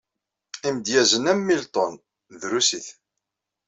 Imedyazen am Milton drusit.